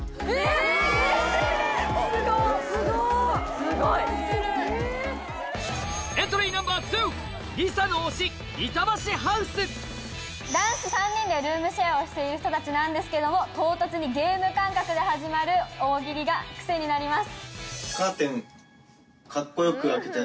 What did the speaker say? すごい！男子３人でルームシェアをしてる人たちなんですけども唐突にゲーム感覚で始まる大喜利が癖になります。